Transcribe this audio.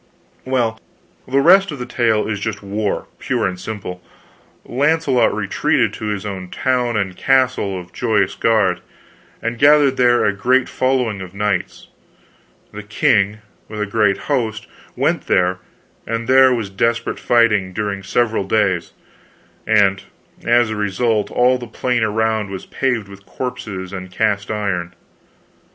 "Well, the rest of the tale is just war, pure and simple. Launcelot retreated to his town and castle of Joyous Gard, and gathered there a great following of knights. The king, with a great host, went there, and there was desperate fighting during several days, and, as a result, all the plain around was paved with corpses and cast iron.